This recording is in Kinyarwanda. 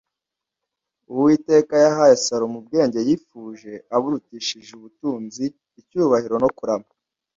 uwiteka yahaye salomo ubwenge yifuje aburutishije ubutunzi, icyubahiro no kurama